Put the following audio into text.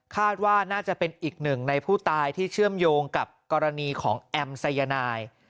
คาดว่าน่าจะเป็นอีกหนึ่งในผู้ตายที่เชื่อมโยงกับกรณีของแอมสายนาย